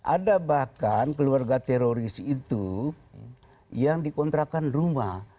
ada bahkan keluarga teroris itu yang dikontrakan rumah